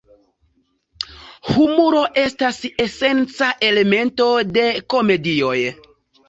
Humuro estas esenca elemento de komedioj.